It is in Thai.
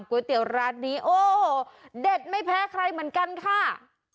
ก๋วยเตี๋ยวร้านนี้โอ้เด็ดไม่แพ้ใครเหมือนกันค่ะ